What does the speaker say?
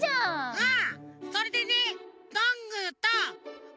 うん。